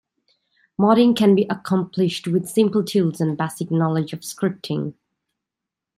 Modding can be accomplished with simple tools and basic knowledge of scripting.